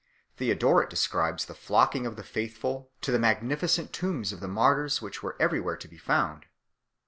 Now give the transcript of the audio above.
Theodoret 7 describes the flocking of the faithful to the magnificent tombs of the martyrs which were everywhere to be found.